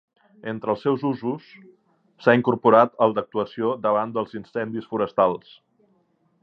Entre els seus usos, s'ha incorporat el d'actuació davant dels incendis forestals.